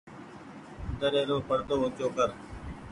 دري رو پڙدو اونچو ڪر۔